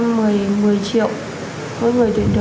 mỗi người tuyển được anh dũng sẽ trả cho em một mươi triệu